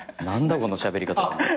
何だこのしゃべり方。